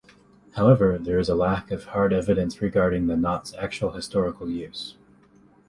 However, there is a lack of hard evidence regarding the knot's actual historical use.